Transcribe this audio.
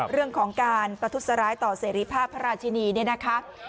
เรื่องของการประทุษร้ายต่อเสรีภาพพระราชินีเนี่ยนะคะ